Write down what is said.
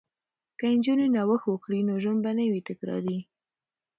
که نجونې نوښت وکړي نو ژوند به نه وي تکراري.